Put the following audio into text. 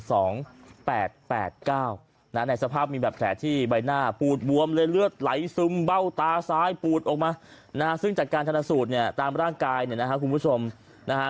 ในสภาพมีแบบแผลที่ใบหน้าปูดบวมเลยเลือดไหลซึมเบ้าตาซ้ายปูดออกมานะฮะซึ่งจากการชนะสูตรเนี่ยตามร่างกายเนี่ยนะฮะคุณผู้ชมนะฮะ